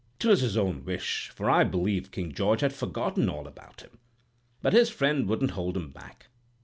'Twas his own wish (for I believe King George had forgotten all about him), but his friend wouldn't hold him back.